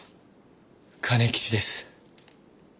兼吉です。